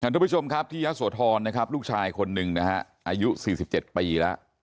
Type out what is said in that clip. ทุกผู้ชมครับที่ยะโสธรนะครับลูกชายคนหนึ่งนะฮะอายุ๔๗ปีแล้ว